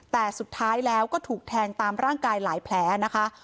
แต่สุดท้ายแล้วก็ถูกแทงตามร่างกายหลายแผลนะคะ